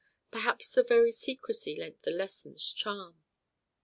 Perhaps the very secrecy lent the lessons charm.